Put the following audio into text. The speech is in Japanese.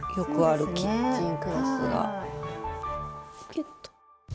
キュッと。